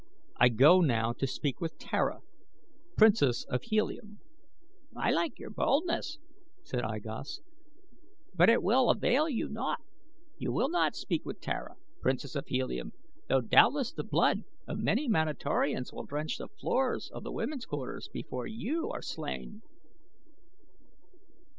I go now to speak with Tara, Princess of Helium." "I like your boldness," said I Gos; "but it will avail you naught. You will not speak with Tara, Princess of Helium, though doubtless the blood of many Manatorians will drench the floors of the women's quarters before you are slain."